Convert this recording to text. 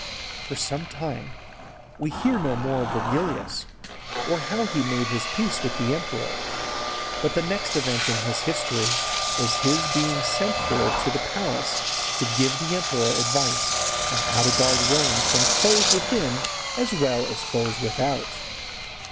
For some time we hear no more of Virgilius, or how he made his peace with the emperor, but the next event in his history was his being sent for to the palace to give the emperor advice how to guard Rome from foes within as well as foes without.